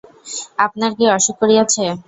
আপনার কি অসুখ করিয়াছে।